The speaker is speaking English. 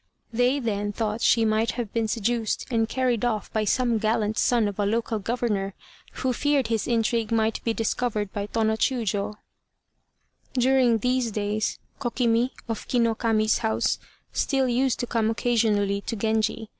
They then thought she might have been seduced and carried off by some gallant son of a local Governor, who feared his intrigue might be discovered by Tô no Chiûjiô. During these days Kokimi, of Ki no Kami's house, still used to come occasionally to Genji.